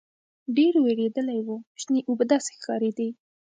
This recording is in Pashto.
ډېر وېردلي وو شنې اوبه داسې ښکارېدې.